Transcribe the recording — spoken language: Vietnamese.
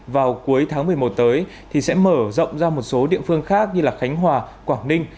vào cuối tháng một mươi một tới thì sẽ mở rộng ra một số địa phương khác như khánh hòa quảng ninh